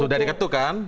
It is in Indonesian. sudah diketuk kan